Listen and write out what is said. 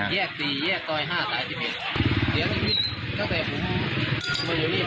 แยก๔แยกต่อย๕ตายที่๑